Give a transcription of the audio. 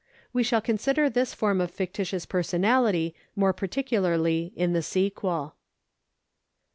We shall consider this form of fictitious personality more particularly in the sequel.